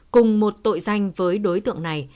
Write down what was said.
cùng một tội danh với đối tượng này